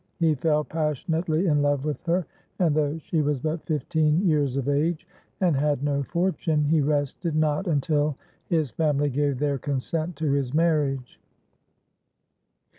He fell passionately in love with her, and though she was but fifteen years of age, and had no fortune, he rested not until his family gave their consent to his marriage.